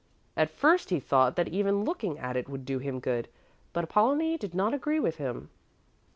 At first he thought that even looking at it would do him good, but Apollonie did not agree with him.